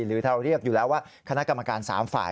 หรือเราเรียกอยู่แล้วว่าคณะกรรมการ๓ฝ่าย